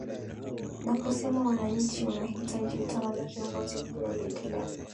na kusema wananchi wanahitaji utawala kiongozi huyo uendelea